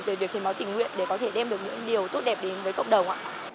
từ việc hiến máu tình nguyện để có thể đem được những điều tốt đẹp đến với cộng đồng